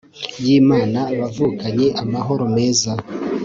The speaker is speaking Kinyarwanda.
y'imana, bavukanyi amahoro meza